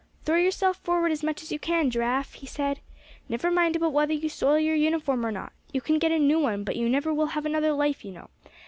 "Throw yourself forward as much as you can, Giraffe," he said. "Never mind about whether you soil your uniform or not. You can get a new one; but you never will have another life you know.